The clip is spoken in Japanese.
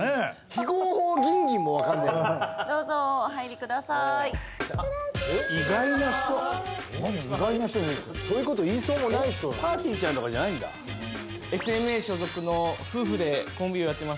非合法ギンギンも分かんねえのにどうぞお入りください失礼しまーす意外な人意外な人出てきたそういうこと言いそうもない人がぱーてぃーちゃんとかじゃないんだＳＭＡ所属の夫婦でコンビをやってます